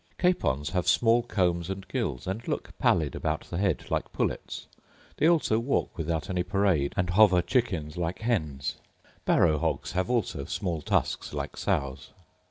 Capons have small combs and gills, and look pallid about the head, like pullets; they also walk without any parade, and hover chickens like hens. Barrow hogs have also small tusks like sows.